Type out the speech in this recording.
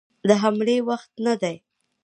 د حملې وخت نه دی.